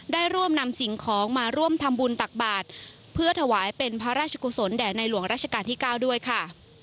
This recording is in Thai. ได้ร่วมนำสิ่งของมาร่วมทำบุญตักบาทเพื่อถวายเป็นพระราชกุศลแด่ในหลวงราชการที่๙ด้วยค่ะ